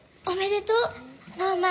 おめでとう。